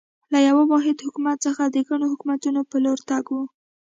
له یوه واحد حکومت څخه د ګڼو حکومتونو په لور تګ و.